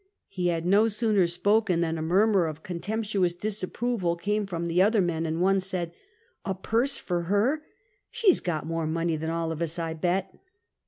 " He had no sooner spoken than a murmur of con temptuous disapproval came from the other men, and one said: " A purse for her ! She 's got more money than all of us, I bet